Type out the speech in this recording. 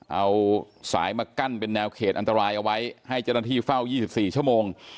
เอาสายมากั้นเป็นแนวเขตอันตรายเอาไว้ให้เจ้าหน้าที่เฝ้า๒๔ชั่วโมง